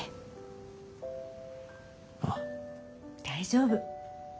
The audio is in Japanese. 大丈夫。